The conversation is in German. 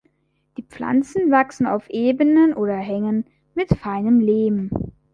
Die Pflanzen wachsen auf Ebenen oder Hängen mit feinem Lehm.